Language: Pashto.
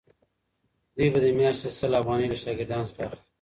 دوی به د میاشتې سل افغانۍ له شاګردانو څخه اخلي.